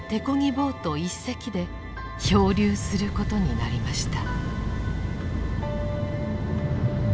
ボート１隻で漂流することになりました。